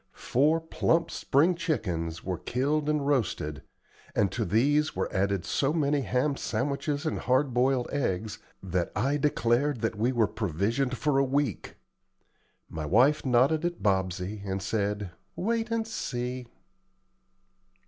Four plump spring chickens were killed and roasted, and to these were added so many ham sandwiches and hard boiled eggs, that I declared that we were provisioned for a week. My wife nodded at Bobsey, and said, "Wait and see!"